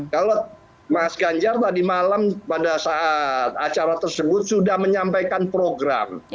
kalau mas ganjar tadi malam pada saat acara tersebut sudah menyampaikan program